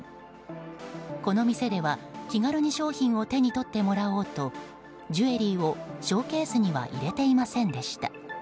この店では、気軽に商品を手に取ってもらおうとジュエリーをショーケースには入れていませんでした。